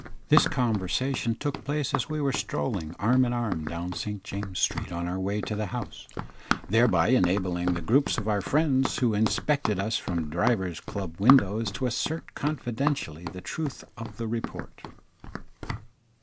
This conversation took place as we were strolling arm in arm down St James's Street on our way to the House, thereby enabling the groups of our friends who inspected us from divers club windows to assert confidently the truth of the report.